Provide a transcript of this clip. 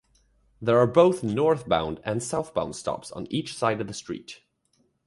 There are both northbound and southbound stops on each side of the street.